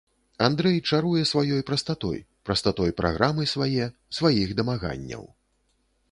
Андрэй чаруе сваёй прастатой, прастатой праграмы свае, сваіх дамаганняў.